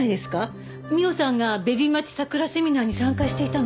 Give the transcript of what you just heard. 美緒さんがベビ待ち桜セミナーに参加していたの。